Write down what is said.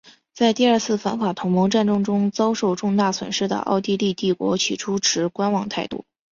在第二次反法同盟战争中遭受重大损失的奥地利帝国起初持观望态度。